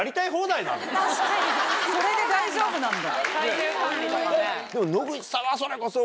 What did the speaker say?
それで大丈夫なんだ。